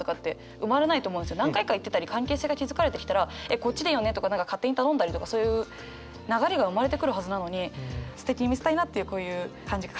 何回か行ってたり関係性が築かれてきたら「えっこっちでいいよね？」とか勝手に頼んだりとかそういう流れが生まれてくるはずなのにすてきに見せたいなっていうこういう感じがかわいいなと思って。